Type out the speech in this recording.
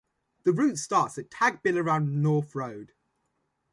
The route starts as Tagbilaran North Road.